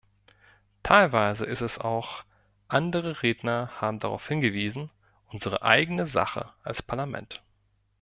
Teilweise ist es auch, andere Redner haben darauf hingewiesen, unsere eigene Sache als Parlament.